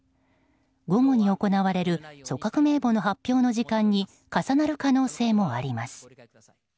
午後に行われる組閣名簿の発表の時間に重なる可能性もあります。